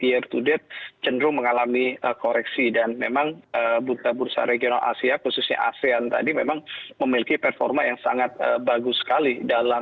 year to date cenderung mengalami koreksi dan memang bursa bursa regional asia khususnya asean tadi memang memiliki performa yang sangat bagus sekali dalam